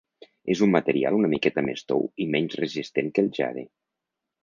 És un material una miqueta més tou i menys resistent que el jade.